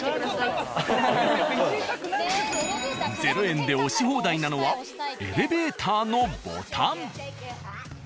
０円で押し放題なのはエレベーターのボタン。